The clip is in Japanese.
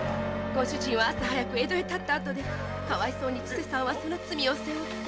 ご主人は朝早く江戸へ発ったあとでかわいそうに千世さんはその罪を背負って。